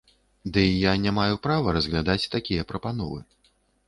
Ды і я не маю права разглядаць такія прапановы.